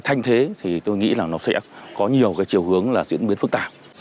thay thế thì tôi nghĩ là nó sẽ có nhiều cái chiều hướng là diễn biến phức tạp